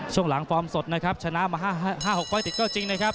ช่วงหลังฟอร์มสดนะครับชนะมา๕๖ไฟล์ติดก็จริงนะครับ